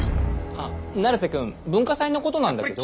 あっ成瀬くん文化祭のことなんだけど。